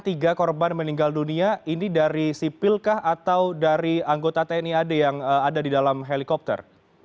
tiga korban meninggal dunia ini dari sipilkah atau dari anggota tni ad yang ada di dalam helikopter